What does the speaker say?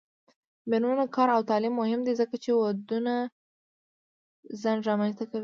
د میرمنو کار او تعلیم مهم دی ځکه چې ودونو ځنډ رامنځته کوي.